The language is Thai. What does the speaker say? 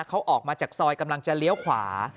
เขาออกมาจากซอยกำลังจะเลี้ยวขวา